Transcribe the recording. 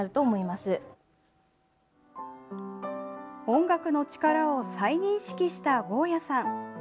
音楽の力を再認識した合屋さん。